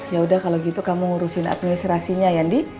ya udah kalau gitu kamu urusin administrasinya ya andi